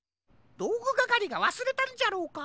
どうぐがかりがわすれたんじゃろうか？